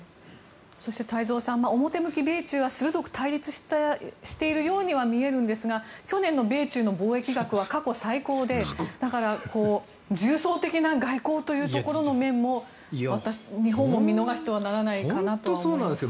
そして太蔵さん表向き、米中は鋭く対立しているようには見えるんですが去年の米中の貿易額は過去最高でだから重層的な外交というところの面も日本も見逃してはならないかなと思います。